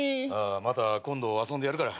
また今度遊んでやるから。